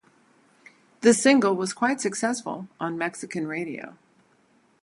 This single was quite successful on Mexican radio.